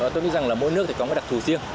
tôi nghĩ rằng là mỗi nước thì có một đặc thù riêng